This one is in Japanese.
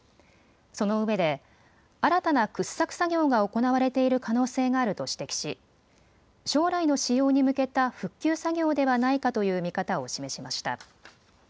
そのうえで新たな掘削作業が行われている可能性があると指摘し将来の使用に向けた復旧作業ではないかという見方を示しました。